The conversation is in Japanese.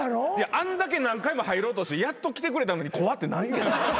あんだけ何回も入ろうとしてやっと来てくれたのに「怖！」って何。